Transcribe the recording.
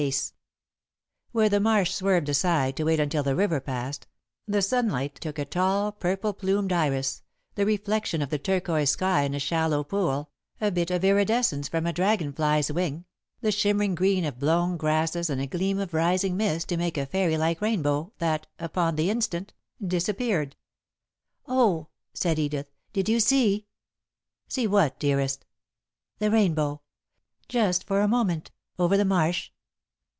[Sidenote: A Rainbow] Where the marsh swerved aside to wait until the river passed, the sunlight took a tall, purple plumed iris, the reflection of the turquoise sky in a shallow pool, a bit of iridescence from a dragon fly's wing, the shimmering green of blown grasses and a gleam of rising mist to make a fairy like rainbow that, upon the instant, disappeared. "Oh!" said Edith. "Did you see?" "See what, dearest?" "The rainbow just for a moment, over the marsh?"